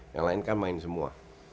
yang lain kan main semua